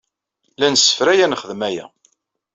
La nessefray ad nexdem aya.